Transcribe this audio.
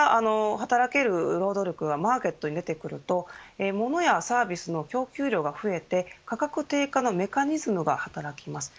潜在的に働ける労働力がマーケットに出てくると物やサービスの供給量が増えて価格低下のメカニズムが働きます。